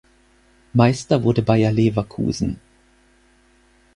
Meister wurde Bayer Leverkusen.